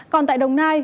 còn tại đồng nai